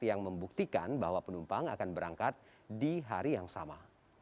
yang membuktikan bahwa penumpang akan berangkat di hari yang sama